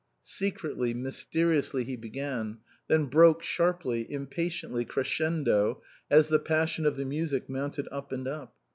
Secretly, mysteriously he began; then broke, sharply, impatiently, crescendo, as the passion of the music mounted up and up.